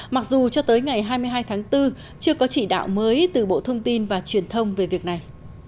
mặc dù cho tới ngày hai mươi hai tháng bốn chưa có chỉ đạo mới từ bộ thông tin và truyền thông về việc này